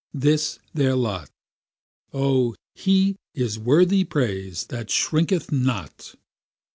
This is their lot; O he is worthy praise that shrinketh not!